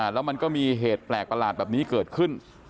แล้วมันก็มีเหตุแปลกประหลาดแบบนี้เกิดขึ้น